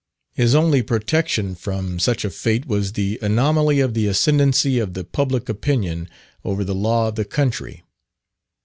His only protection from such a fate was the anomaly of the ascendancy of the public opinion over the law of the country.